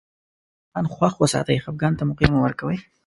ځان خوښ وساتئ خفګان ته موقع مه ورکوی